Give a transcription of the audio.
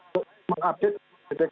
dan kami melihat komitmen sosial sangat baik